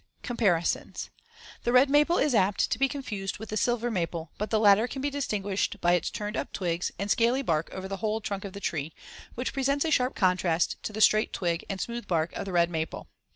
] Comparisons: The red maple is apt to be confused with the silver maple, but the latter can be distinguished by its turned up twigs and scaly bark over the whole trunk of the tree, which presents a sharp contrast to the straight twig and smooth bark of the red maple.